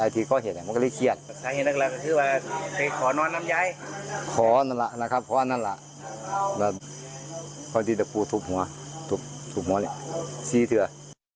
ถูกหัวถูกหัวเลยซีเทือ